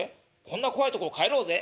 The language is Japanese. こんな怖いところ帰ろうぜ」。